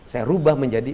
saya berubah menjadi